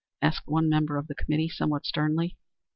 asked one member of the committee, somewhat sternly.